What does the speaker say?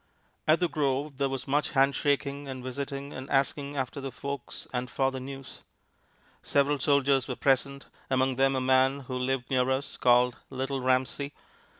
At the grove there was much hand shaking and visiting and asking after the folks and for the news. Several soldiers were present, among them a man who lived near us, called "Little Ramsey."